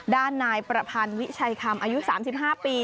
ด้านนายประพันธ์วิชัยคำอายุสามสิบห้าปี